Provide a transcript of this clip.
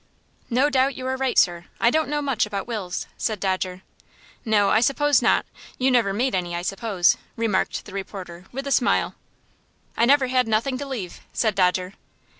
"No doubt you are right, sir. I don't know much about wills," said Dodger. "No; I suppose not. You never made any, I suppose," remarked the reporter, with a smile. "I never had nothing to leave," said Dodger.